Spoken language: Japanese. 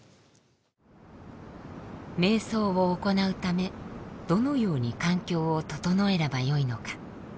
瞑想を行うためどのように環境を整えればよいのか。